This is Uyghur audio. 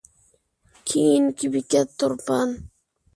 كېيىنكى بېكەت تۇرپان.